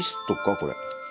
これ。